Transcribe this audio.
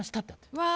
うわ。